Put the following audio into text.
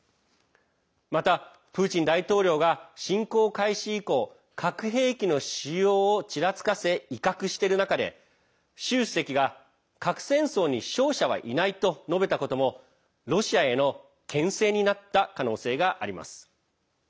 またプーチン大統領が侵攻開始以降核兵器の使用をちらつかせ威嚇している中で習主席が核戦争に勝者はいないと述べたこともロシアへのけん制になった可能性があります。